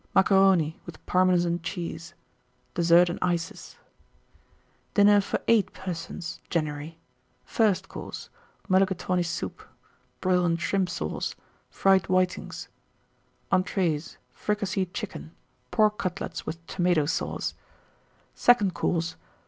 Macaroni, with Parmesan Cheese. DESSERT AND ICES. 1890. DINNER FOR 8 PERSONS (January). FIRST COURSE. Mulligatawny Soup. Brill and Shrimp Sauce. Fried Whitings. ENTREES. Fricasseed Chicken. Pork Cutlets, with Tomato Sauce. SECOND COURSE.